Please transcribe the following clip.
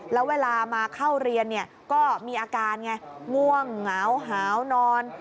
แล้วเวลามาเข้าเรียนก็มีอาการไงง่วงเหงาหาวนอน